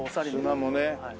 砂もね。